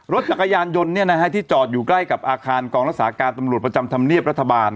รถจักรยานยนต์ที่จอดอยู่ใกล้กับอาคารกองรักษาการตำรวจประจำธรรมเนียบรัฐบาล